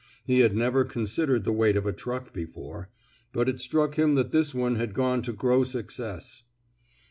He had never con sidered the weight of a truck before, but it struck him that this one had gone to gross excess.